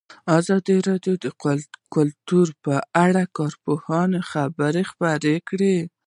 ازادي راډیو د کلتور په اړه د کارپوهانو خبرې خپرې کړي.